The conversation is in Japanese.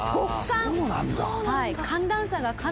えっそうなんだ！